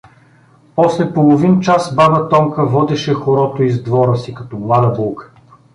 После половин час баба Тонка водеше хорото из двора си като млада булка.